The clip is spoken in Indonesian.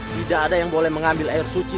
tidak ada yang boleh mengambil air suci